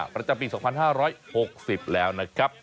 ประจำปี๒๕๖๐แล้วนะครับ